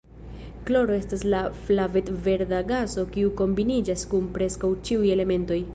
Kloro estas flavet-verda gaso kiu kombiniĝas kun preskaŭ ĉiuj elementoj.